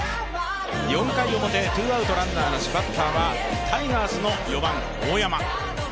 ４回表、ツーアウト、ランナーなしバッターはタイガースの４番・大山。